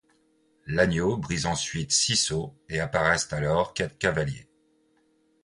L'agneau brise ensuite six sceaux, et apparaissent alors quatre cavaliers.